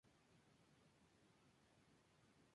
Forma parte del área metropolitana de la ciudad de Nashville.